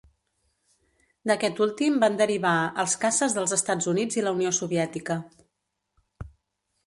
D'aquest últim van derivar els caces dels Estats Units i La Unió Soviètica.